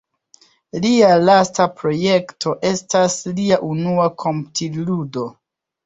Lia lasta projekto estas lia unua komputil-ludo!